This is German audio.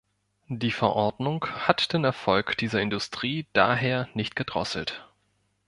Die Verordnung hat den Erfolg dieser Industrie daher nicht gedrosselt.